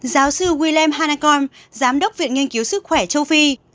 giáo sư william hanacom giám đốc viện nghiên cứu sức khỏe châu phi